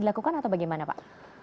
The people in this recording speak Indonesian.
dilakukan atau bagaimana pak